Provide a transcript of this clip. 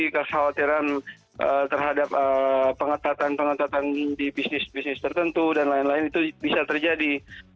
kekhawatiran terhadap pengetatan pengetatan di bisnis bisnis tertentu dan lain lain itu bisa terjadi